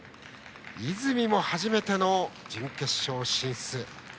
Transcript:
泉も初めての準決勝進出。